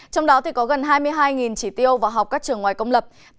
trong đó có gần hai mươi hai chỉ tiêu vào học các trường ngoài công lập